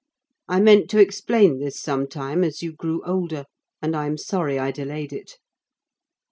I meant to explain this some time as you grew older, and I'm sorry I delayed it."